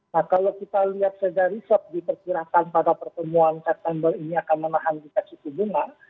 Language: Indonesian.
nah kalau kita lihat saja riset diperkirakan pada pertemuan september ini akan menahan tingkat suku bunga